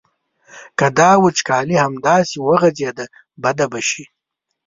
که دا وچکالي همداسې وغځېده بده به شي.